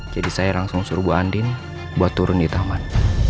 jadi saya langsung suruh bu andin buat turun di taman